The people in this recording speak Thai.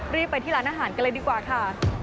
รีบไปที่ร้านอาหารกันเลยดีกว่าค่ะ